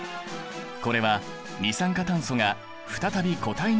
これは二酸化炭素が再び固体になったもの。